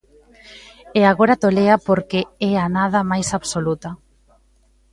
E agora tolea porque é a nada máis absoluta.